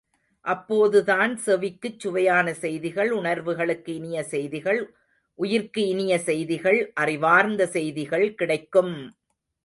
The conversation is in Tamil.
அப்போதுதான் செவிக்குச் சுவையான செய்திகள் உணர்வுகளுக்கு இனிய செய்திகள், உயிர்க்கு இனிய செய்திகள் அறிவார்ந்த செய்திகள் கிடைக்கும்!